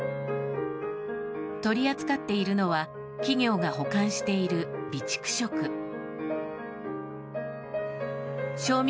取り扱っているのは企業が保管している備蓄食。